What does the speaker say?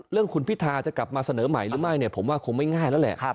เรื่องขุนวิทาจะกลับมาเสนอใหม่หรือไม่ผมว่าคงไม่ง่ายแล้วแหละ